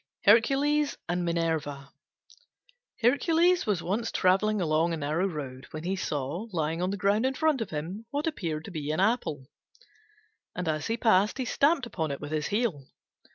HERCULES AND MINERVA Hercules was once travelling along a narrow road when he saw lying on the ground in front of him what appeared to be an apple, and as he passed he stamped upon it with his heel.